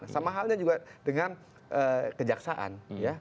sama halnya juga dengan kejaksaan